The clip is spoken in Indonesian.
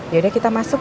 ya udah kita masuk